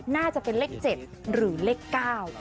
น่าจะเป็นเลข๗หรือเลข๙